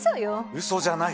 うそじゃない！